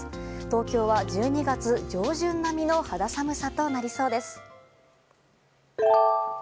東京は１２月上旬並みの肌寒さとなりそうです。